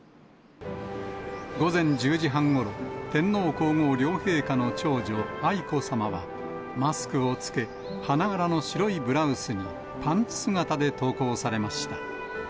午前１０時半ごろ、天皇皇后両陛下の長女、愛子さまは、マスクを着け、花柄の白いブラウスにパンツ姿で登校されました。